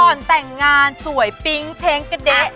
แต่งงานสวยปิ๊งเช้งกระเด๊ะ